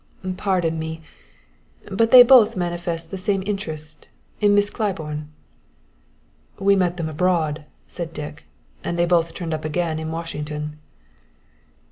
"Pardon me, but they both manifest some interest in Miss Claiborne." "We met them abroad," said Dick; "and they both turned up again in Washington."